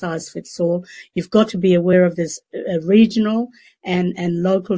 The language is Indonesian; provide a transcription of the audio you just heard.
anda harus tahu tentang kebanyakan kualitas regional dan lokal